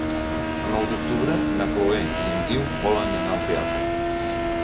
El nou d'octubre na Chloé i en Guiu volen anar al teatre.